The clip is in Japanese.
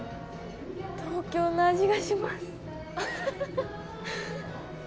東京の味がします